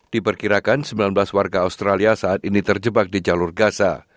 diperkirakan sembilan belas warga australia saat ini terjebak di jalur gaza